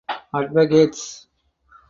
Advocates.